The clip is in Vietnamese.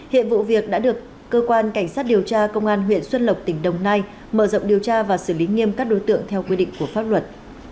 hiện vụ việc đã được cơ quan cảnh sát điều tra công an huyện xuân lộc tỉnh đồng nai mở rộng điều tra và xử lý nghiêm các đối tượng theo quy định của pháp luật